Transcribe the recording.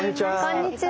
こんにちは。